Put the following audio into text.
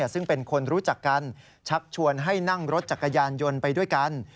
ซึ่งเป็นคนรู้จักกันชักชวนให้นั่งรถจักรยานยนต์ไปด้วยกัน